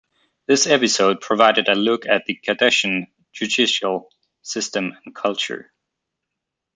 This episode provided a look at the Cardassian judicial system and culture.